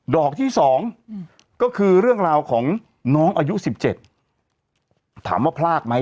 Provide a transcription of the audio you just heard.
ดอกที่๒ก็คือเรื่องราวของน้องอายุ๑๗ถามว่าพลากไหม